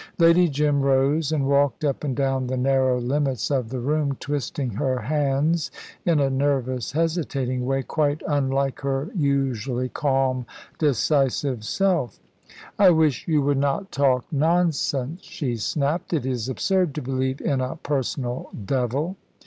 Lady Jim rose and walked up and down the narrow limits of the room, twisting her hands in a nervous, hesitating way, quite unlike her usually calm, decisive self. "I wish you would not talk nonsense," she snapped; "it is absurd to believe in a personal devil."